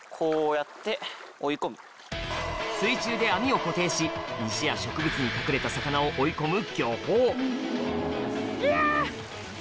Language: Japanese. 水中で網を固定し石や植物に隠れた魚を追い込む漁法ぎゃ！